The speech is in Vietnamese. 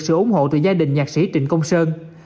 sự ủng hộ từ gia đình nhạc sĩ trịnh công sơn